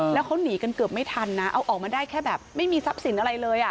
แล้วเขาหนีกันเกือบไม่ทันนะเอาออกมาได้แค่แบบไม่มีทรัพย์สินอะไรเลย